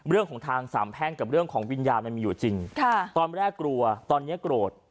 เรื่องของทางสามแพ่งกับเรื่องของวิญญาณมันมีอยู่จริงตอนแรกกลัวตอนนี้โกรธ